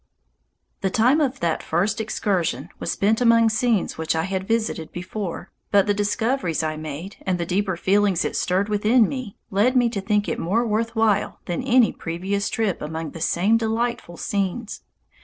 The time of that first excursion was spent among scenes that I had visited before, but the discoveries I made and the deeper feelings it stirred within me, led me to think it more worth while than any previous trip among the same delightful scenes.